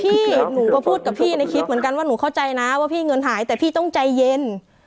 พี่หนูก็พูดกับพี่ในคลิปเหมือนกันว่าหนูเข้าใจนะว่าพี่เงินหายแต่พี่ต้องใจเย็น